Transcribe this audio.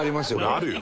あるよ。